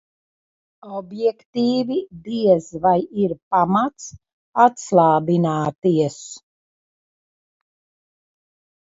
Objektīvi diez vai ir pamats atslābināties.